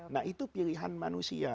nah itu pilihan manusia